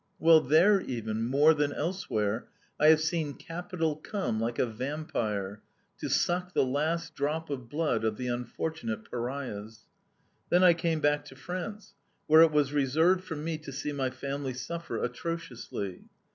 Well, there even, more than elsewhere, I have seen capital come, like a vampire, to suck the last drop of blood of the unfortunate pariahs. "Then I came back to France, where it was reserved for me to see my family suffer atrociously.